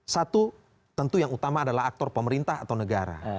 satu tentu yang utama adalah aktor pemerintah atau negara